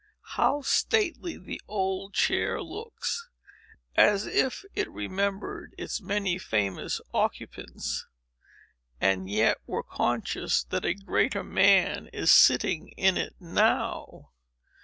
How stately the old chair looks, as if it remembered its many famous occupants, but yet were conscious that a greater man is sitting in it now!